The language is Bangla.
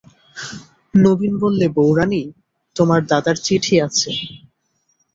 নবীন বললে, বউরানী, তোমার দাদার চিঠি আছে।